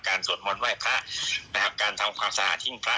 สวดมนต์ไหว้พระนะครับการทำความสะอาดหิ้งพระ